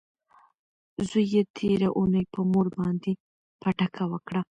زوی یې تیره اونۍ په مور باندې پټکه وکړه.